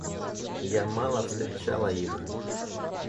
Я мало встречала их.